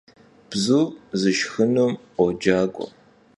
Bzur zışşxınum 'Uocague.